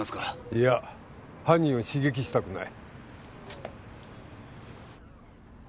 いや犯人を刺激したくない。